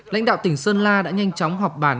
lãnh đạo tỉnh sơn la đã nhanh chóng họp bản